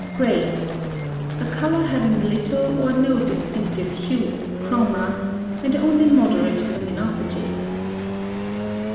GRAY. A color having little or no distinctive hue (CHROMA) and only moderate luminosity.